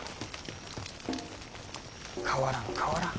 変わらん変わらん。